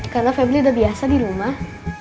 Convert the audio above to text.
karena febri udah biasa di rumah